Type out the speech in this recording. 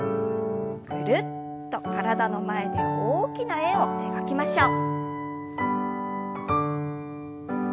ぐるっと体の前で大きな円を描きましょう。